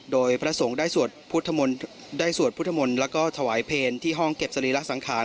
โดยพระสงฆ์ได้สวดพุทธมนต์แล้วก็ถวายเพลงที่ห้องเก็บสรีระสังขาร